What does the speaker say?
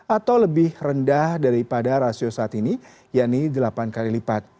atau lebih rendah daripada rasio saat ini yaitu delapan kali lipat